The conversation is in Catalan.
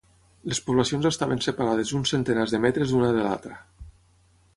Les poblacions estaven separades uns centenars de metres una de l'altra.